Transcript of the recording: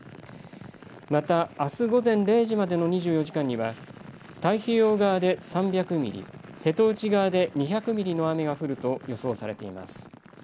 また、あす午前０時までの２４時間には太平洋側で３００ミリ、瀬戸内側で２００ミリの雨が降ると予想されています。